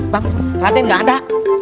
pak raden gak ada